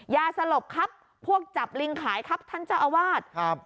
ยาสลบครับพวกจับลิงขายครับท่านเจ้าอาวาสครับ